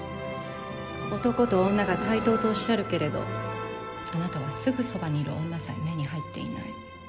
男と女が対等とおっしゃるけれどあなたはすぐそばにいる女さえ目に入っていない。